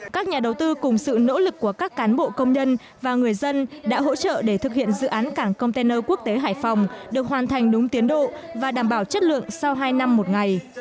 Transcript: các nhà đầu tư cùng sự nỗ lực của các cán bộ công nhân và người dân đã hỗ trợ để thực hiện dự án cảng container quốc tế hải phòng được hoàn thành đúng tiến độ và đảm bảo chất lượng sau hai năm một ngày